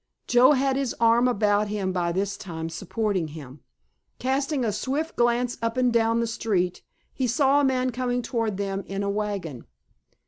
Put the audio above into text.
Joe had his arm about him by this time supporting him. Casting a swift glance up and down the street he saw a man coming toward them in a wagon.